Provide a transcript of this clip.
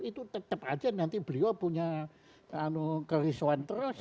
itu tetap aja nanti beliau punya kerisauan terus